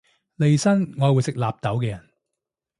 利申我係會食納豆嘅人